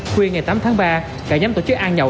khuya ngày tám tháng ba cả nhóm tổ chức ăn nhậu